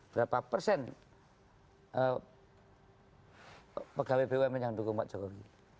berapa persen pegawai bumn yang dukung pak jokowi